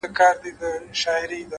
صادق زړه پټ ویره نه ساتي،